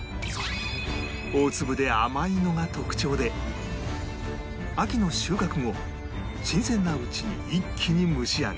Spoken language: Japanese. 大粒で甘いのが特徴で秋の収穫後新鮮なうちに一気に蒸し上げ